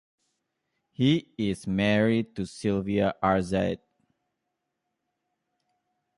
He is married to Sylvia Arzate.